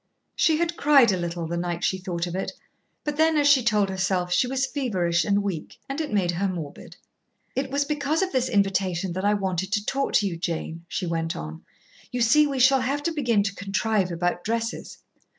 She had cried a little the night she thought of it, but then, as she told herself, she was feverish and weak, and it made her morbid. "It was because of this invitation that I wanted to talk to you, Jane," she went on. "You see, we shall have to begin to contrive about dresses."